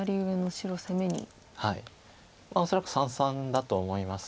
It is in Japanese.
恐らく三々だと思います。